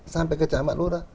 sampai ke camat luar